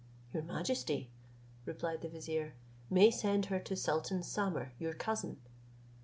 "Your majesty," replied the vizier, "may send her to sultan Samer, your cousin."